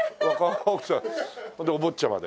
でお坊ちゃまで。